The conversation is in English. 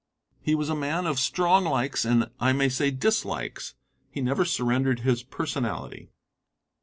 He was a man of strong likes and I may say dislikes. He never surrendered his personality.